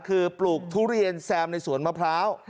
คือปลูกทุเรียนแซมในสวนมะพร้าว